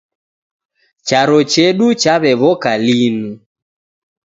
Charo chedu chawewoka linu